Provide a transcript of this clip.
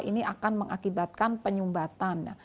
ini akan mengakibatkan penyumbatan